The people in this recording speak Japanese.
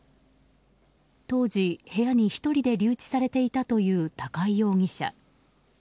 当時、部屋に１人で留置されていたという高井容疑者。